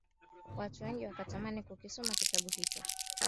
watu wengi wakatamani kukisoma kitabu hicho